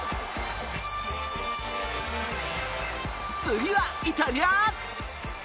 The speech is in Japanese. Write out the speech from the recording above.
次は、イタリア！